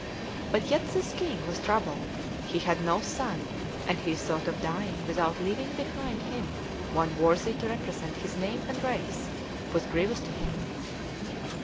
But yet this King was troubled; he had no son, and the thought of dying without leaving behind him one worthy to represent his name and race was grievous to him.